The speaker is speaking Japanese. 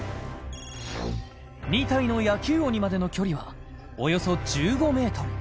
２体の野球鬼までの距離はおよそ１５ｍ